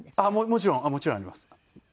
もちろんもちろんあります。